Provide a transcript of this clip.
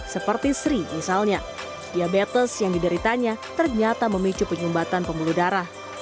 seperti sri misalnya diabetes yang dideritanya ternyata memicu penyumbatan pembuluh darah